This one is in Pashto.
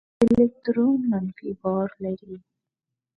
الکترون منفي بار لري.